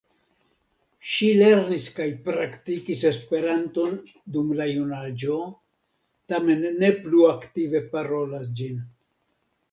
Ŝi lernis kaj praktikis Esperanton dum la junaĝo, tamen ne plu aktive parolas ĝin.